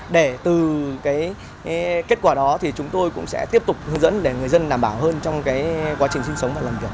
để từ kết quả đó thì chúng tôi cũng sẽ tiếp tục hướng dẫn để người dân đảm bảo hơn trong quá trình sinh sống và làm việc